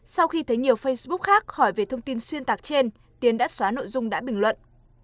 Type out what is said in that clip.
sau khi thấy nhiều facebook khác hỏi về thông tin xuyên tạc trên tiến đã xóa nội dung đã bình luận